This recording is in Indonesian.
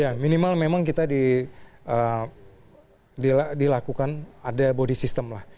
ya minimal memang kita dilakukan ada body system lah